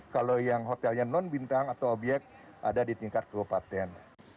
kalau yang hotelnya non bintang atau obyek ada di tingkat kabupaten